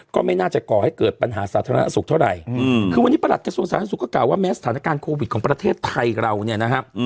ก็ไม่น่าจะก่อให้เกิดปัญหาสาธารณสุขเท่าไหร่คือวันนี้ประหลัดกระทรวงสาธารณสุขก็กล่าวว่าแม้สถานการณ์โควิดของประเทศไทยเราเนี่ยนะครับ